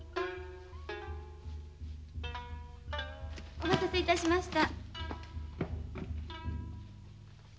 お待たせいたしました。